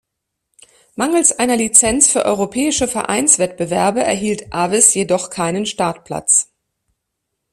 Mangels einer Lizenz für europäische Vereinswettbewerbe erhielt Aves jedoch keinen Startplatz.